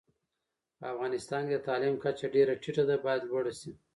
په افغانستان کي د تعلیم کچه ډيره ټیټه ده، بايد لوړه شي